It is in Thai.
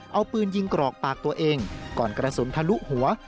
เอาปืนยิงกรอกปากตัวเองก่อนกระสุนทะลุหัว